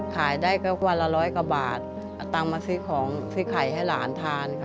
ขายได้ก็วันละร้อยกว่าบาท